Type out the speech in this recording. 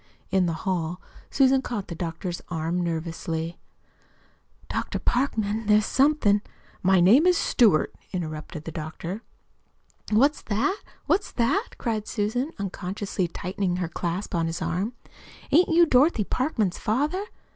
In the hall Susan caught the doctor's arm nervously. "Dr. Parkman, there's somethin' " "My name is Stewart," interrupted the doctor. "What's that? What's that?" cried Susan, unconsciously tightening her clasp on his arm. "Ain't you Dorothy Parkman's father?"